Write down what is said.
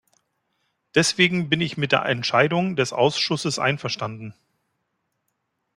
Deswegen bin ich mit der Entscheidung des Ausschusses einverstanden.